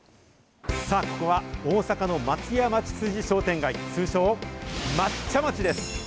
さあ、ここは大阪の松屋町筋商店街、通称、まっちゃまちです。